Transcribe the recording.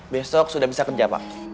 besok sudah bisa kerja pak